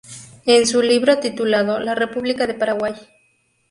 En su libro titulado La República del Paraguay.